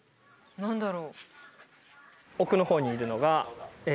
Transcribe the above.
何だろう？